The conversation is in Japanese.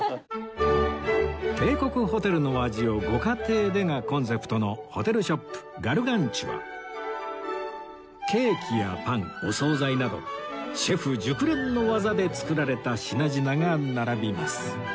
「帝国ホテルの味をご家庭で」がコンセプトのホテルショップガルガンチュワケーキやパンお惣菜などシェフ熟練の技で作られた品々が並びます